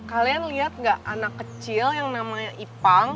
kalian lihat gak anak kecil yang namanya ipang